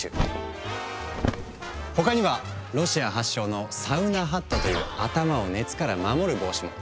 他にはロシア発祥の「サウナハット」という頭を熱から守る帽子も。